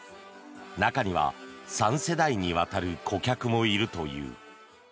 中には３世代にわたる顧客もいるという。